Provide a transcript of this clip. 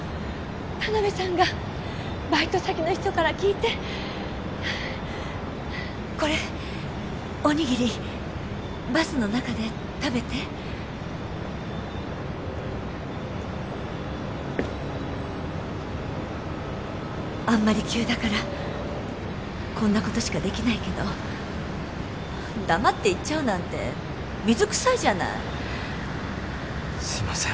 田辺さんがバイト先の人から聞いてこれおにぎりバスの中で食べてあんまり急だからこんなことしかできないけど黙って行っちゃうなんて水くさいじゃないすいません